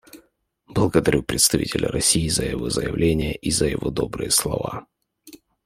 Благодарю представителя России за его заявление и за его добрые слова.